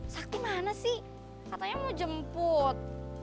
sakti mana sih katanya mau jemput